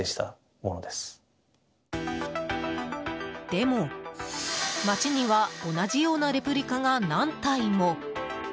でも、町には同じようなレプリカが何体も。